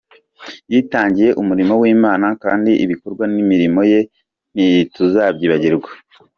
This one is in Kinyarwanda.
Yitangiye umurimo w’Imana kandi ibikorwa n’imirimo ye ntituzabyibagirwa.